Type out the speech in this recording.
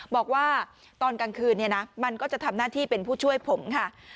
บอกว่าตอนกลางคืนเนี่ยนะมันก็จะทำหน้าที่เป็นผู้ช่วยผมค่ะ